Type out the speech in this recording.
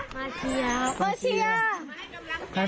มาเชียร์